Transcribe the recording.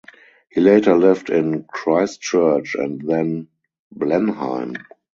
He later lived in Christchurch and then Blenheim.